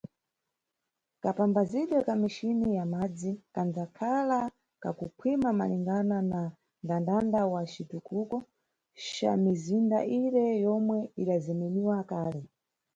Kapamphazidwe ka michini ya madzi kandzakhala kakukhwima malingana na nʼndandanda wa citukuko ca mizinda ire yomwe idazemeniwa kale.